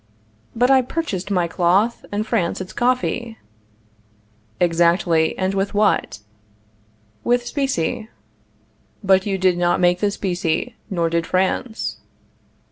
But I purchased my cloth, and France its coffee. Exactly, and with what? With specie. But you did not make the specie, nor did France.